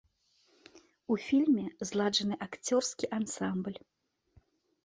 У фільме зладжаны акцёрскі ансамбль.